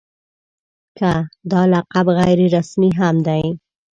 که دا لقب غیر رسمي هم دی.